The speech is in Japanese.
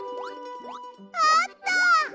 あった！